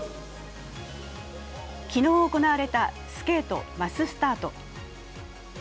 昨日行われたスケートマススタート。